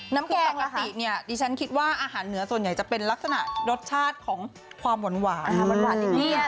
น้ำแกงปกติเนี่ยที่ฉันคิดว่าอาหารเนื้อส่วนใหญ่จะเป็นลักษณะรสชาติของความหวานหวาน